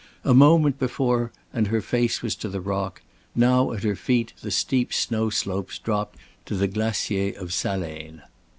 A moment before and her face was to the rock, now at her feet the steep snow slopes dropped to the Glacier of Saleinaz.